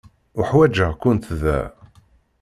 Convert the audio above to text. Uḥwaǧeɣ-kent da.